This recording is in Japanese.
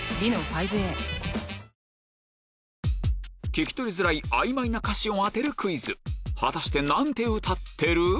聞き取りづらいあいまいな歌詞を当てるクイズ果たして何て歌ってる？